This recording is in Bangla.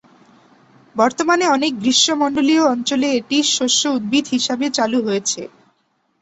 বর্তমানে অনেক গ্রীষ্মমন্ডলীয় অঞ্চলে এটি শস্য উদ্ভিদ হিসাবে চালু হয়েছে।